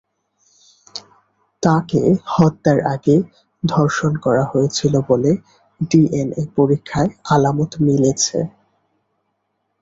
তাঁকে হত্যার আগে ধর্ষণ করা হয়েছিল বলে ডিএনএ পরীক্ষায় আলামত মিলেছে।